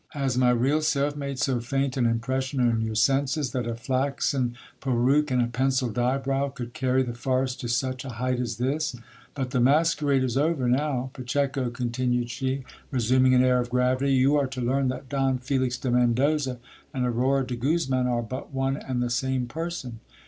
Has my real self made so faint an impression on your senses, that a flaxen peruke and a pencilled eyebrow could carry the farce to such a height as this ? But the masquerade is over now. Pacheco, continued she, resuming an air of gravity ; you are to learn that Don Felix de Mendoza and Aurora de Guzman are but one and the same person.